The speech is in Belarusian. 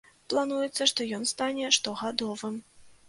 Плануецца, што ён стане штогадовым.